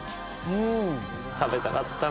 食べたかったな。